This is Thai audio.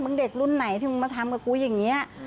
เด็กรุ่นไหนที่มึงมาทำกับกูอย่างนี้